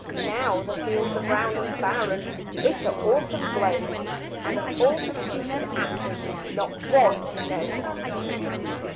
Now the fields are brown and barren, Bitter autumn blows, And of all the stupid asters Not one knows.